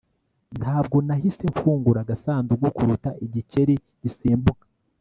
ntabwo nahise mfungura agasanduku kuruta igikeri gisimbuka